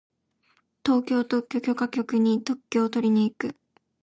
東京特許許可局に特許をとりに行く。